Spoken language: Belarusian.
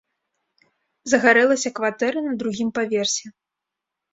Загарэлася кватэра на другім паверсе.